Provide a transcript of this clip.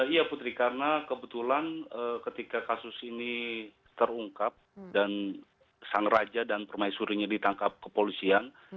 iya putri karena kebetulan ketika kasus ini terungkap dan sang raja dan permaisurinya ditangkap kepolisian